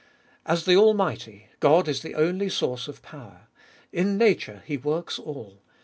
As the Almighty, God is the only source of power. In nature He works all.